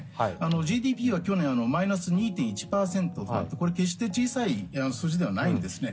ＧＤＰは去年マイナス２．１％とこれ、決して小さい数字ではないんですね。